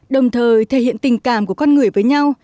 đồng thời thể hiện tình cảm của con người với nhau